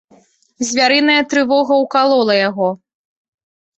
Звярыная трывога ўкалола яго.